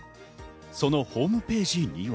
そのホームページには。